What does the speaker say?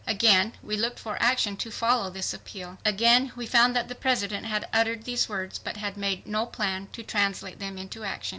Again we looked for action to follow this appeal. Again we found that the President had uttered these words but had made no plan to translate them into action.